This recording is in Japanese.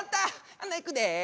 ほないくで。